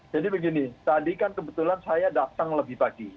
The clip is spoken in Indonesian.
jadi begini tadi kan kebetulan saya datang lebih pagi